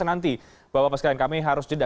nanti bapak bapak sekalian kami harus jeda